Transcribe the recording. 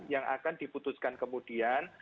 yang akan diputuskan kemudian